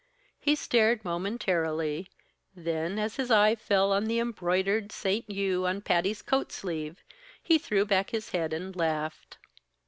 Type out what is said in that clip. He stared momentarily, then as his eye fell on the embroidered "St. U." on Patty's coat sleeve, he threw back his head and laughed.